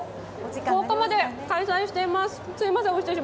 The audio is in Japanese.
１０日まで開催しています。